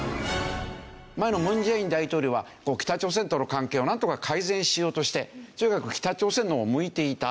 前の文在寅大統領は北朝鮮との関係をなんとか改善しようとしてとにかく北朝鮮の方を向いていた。